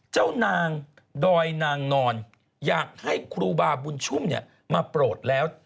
เจ้านางดอยนางนอนอยากให้ครูบาบุญชุ่มเนี่ยมาโปรดแล้ว